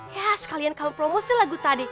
yes kalian kamu promosi lagu tadi